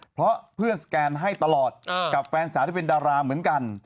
เพราะเพื่อนสแกนให้ตลอดกับแฟนสาวที่เป็นดาราเหมือนกัน